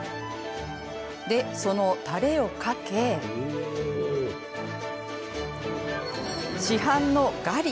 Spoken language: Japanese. で、そのたれをかけ市販のガリ。